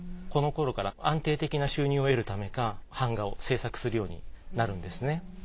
この頃から安定的な収入を得るためか版画を制作するようになるんですね。